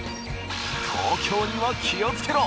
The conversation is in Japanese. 東京には気をつけろ！